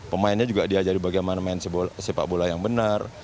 pemainnya juga diajari bagaimana main sepak bola yang benar